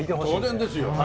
当然ですよね。